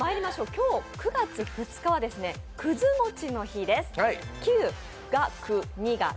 今日９月２日はくず餅の日です。